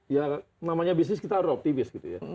ya namanya bisnis kita harus optimis